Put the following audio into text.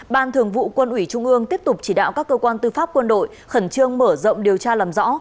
ban thường vụ quân ủy trung ương tiếp tục chỉ đạo các cơ quan tư pháp quân đội khẩn trương mở rộng điều tra làm rõ